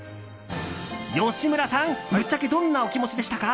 吉村さん、ぶっちゃけどんなお気持ちでしたか？